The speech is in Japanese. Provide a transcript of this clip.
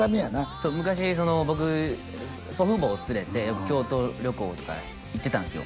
そう昔その僕祖父母を連れてよく京都旅行とか行ってたんすよ